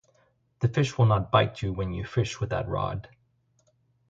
The fish will not bite when you fish with that rod.